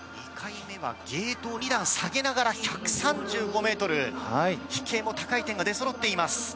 ２回目はゲートを２段下げながら１３５ｍ飛型も高い点が出そろっています。